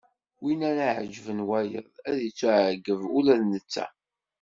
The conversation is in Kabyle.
Win ara iɛeggben wayeḍ ad ittuɛeggeb ula d netta.